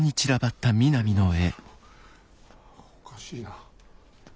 おかしいな。